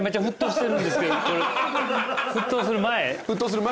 沸騰する前？